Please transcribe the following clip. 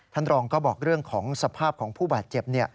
ท่านรองก็บอกเรื่องของสภาพของผู้บาดเจ็บ